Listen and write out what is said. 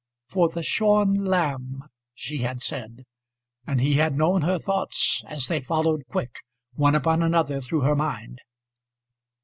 "For the shorn lamb " she had said, and he had known her thoughts, as they followed, quick, one upon another, through her mind.